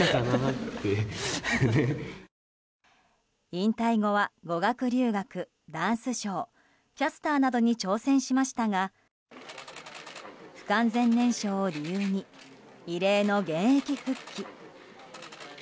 引退後は語学留学、ダンスショーキャスターなどに挑戦しましたが不完全燃焼を理由に異例の現役復帰。